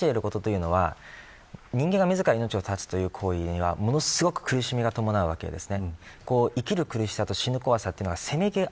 ただ一つ言えることは人間が自ら命を絶つという行為には、ものすごく苦しみが伴うわけです。